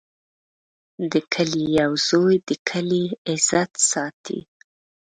د کلي یو زوی د کلي عزت ساتي.